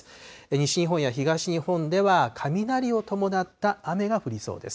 西日本や東日本では、雷を伴った雨が降りそうです。